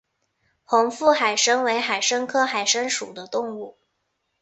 红腹海参为海参科海参属的动物。